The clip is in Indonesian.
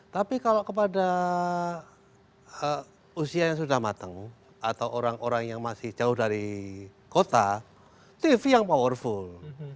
tapi kalau kepada usia yang sudah matang atau orang orang yang masih jauh dari kota tv yang powerful